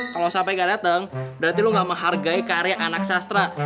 kalo sampe ga dateng berarti lu ga menghargai karya anak sastra